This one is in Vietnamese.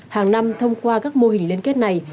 hàng năm thông qua các mô hình liên kết này